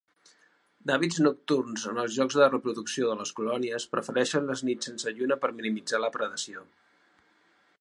D'hàbits nocturns en els llocs de reproducció de les colònies, prefereixen les nits sense lluna per minimitzar la predació.